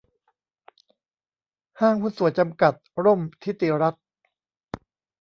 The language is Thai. ห้างหุ้นส่วนจำกัด ร่มธิติรัตน์